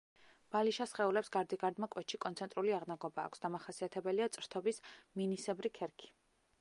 ბალიშა სხეულებს გარდიგარდმო კვეთში კონცენტრული აღნაგობა აქვს, დამახასიათებელია წრთობის მინისებრი ქერქი.